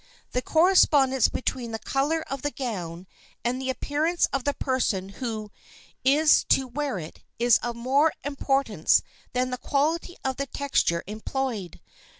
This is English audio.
The correspondence between the color of the gown and the appearance of the person who is to wear it is of more importance than the quality of the texture employed.